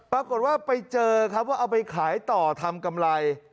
ปรากฏว่าไปเจอครับว่าเอาไปขายต่อทำกำไร